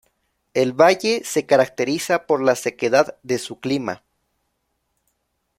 El valle se caracteriza por la sequedad de su clima.